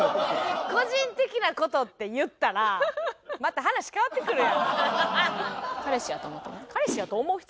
個人的な事っていったらまた話変わってくるやん。